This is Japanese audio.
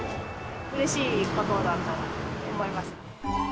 うれしいことだと思います。